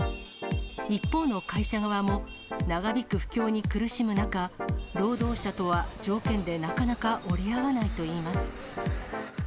一方の会社側も、長引く不況に苦しむ中、労働者とは条件でなかなか折り合わないといいます。